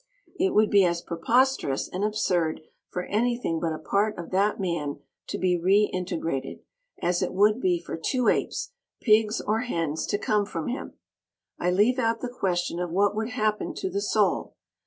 It would be as preposterous and absurd for anything but a part of that man to be reintegrated, as it would be for two apes, pigs or hens to come from him. I leave out the question of what would happen to the soul.